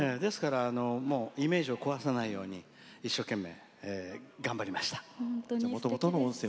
イメージを壊さないように一生懸命、頑張りました。